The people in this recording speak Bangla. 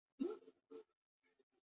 কী খুঁজতে হবে?